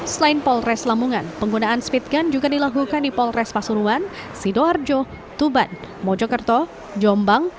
selain polres lamongan penggunaan speed gun juga dilakukan di polres pasuruan sidoarjo tuban mojokerto jombang